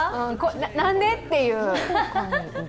何で？っていう。